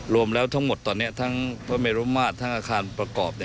รวมแล้วทั้งหมดตอนนี้ทั้งพระเมรุมาตรทั้งอาคารประกอบ